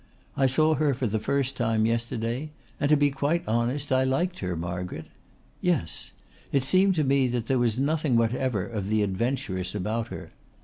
I saw her for the first time yesterday, and to be quite honest I liked her, Margaret. Yes. It seemed to me that there was nothing whatever of the adventuress about her.